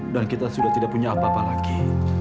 dan kita sudah tidak punya apa apa lagi